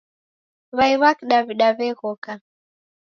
Wai wa kidawida weghoka